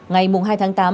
ngày hai tháng tám